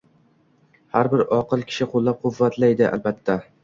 har bir oqil kishi qo‘llab-quvvatlaydi, albatta.